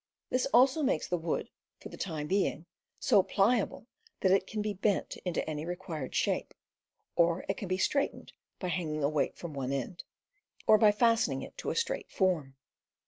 This also makes the wood, for the time be ing, so pliable that it can be bent into any required shape, or it can be straightened by hanging a weight from one end, or by fastening it to a straight form.